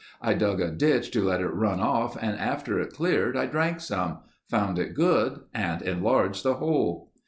I dug a ditch to let it run off and after it cleared I drank some, found it good and enlarged the hole."